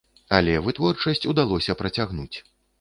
Але вытворчасць удалося працягнуць.